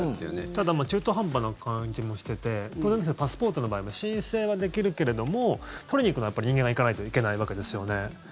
ただ中途半端な感じもしてて当然ですけどパスポートの場合は申請はできるけれども取りに行くのはやっぱり人間が行かないといけないわけですよね。